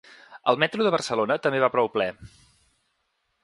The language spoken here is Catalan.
El metro de Barcelona també va prou ple.